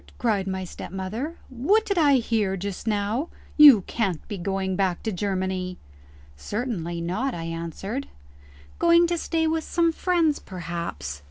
cried my stepmother, "what did I hear just now? You can't be going back to Germany!" "Certainly not," I answered. "Going to stay with some friends perhaps?"